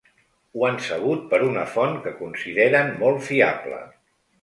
Ho han sabut per una font que consideren molt fiable.